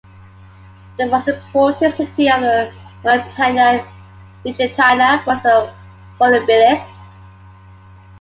The most important city of Mauretania Tingitana was Volubilis.